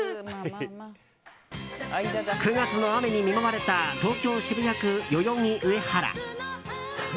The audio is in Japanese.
９月の雨に見舞われた東京・渋谷区代々木上原。